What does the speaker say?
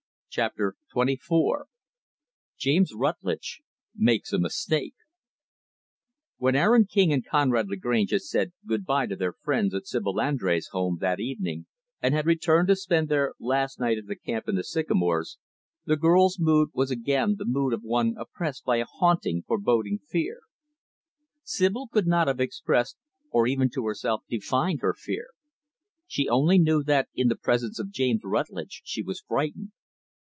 Chapter XXIV James Rutlidge Makes a Mistake When Aaron King and Conrad Lagrange had said, "good by," to their friends, at Sibyl Andrés' home, that evening; and had returned to spend their last night at the camp in the sycamores; the girl's mood was again the mood of one oppressed by a haunting, foreboding fear. Sibyl could not have expressed, or even to herself defined, her fear. She only knew that in the presence of James Rutlidge she was frightened.